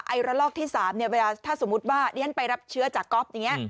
ไอระลอกที่๓ถ้าสมมุติว่าไปรับเชื้อจากก๊อฟ